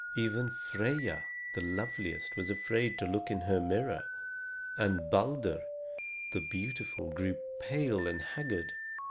Even Freia, the loveliest, was afraid to look in her mirror, and Balder the beautiful grew pale and haggard.